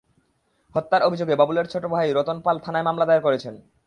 হত্যার অভিযোগে বাবুলের ছোট ভাই রতন পাল থানায় মামলা দায়ের করেছেন।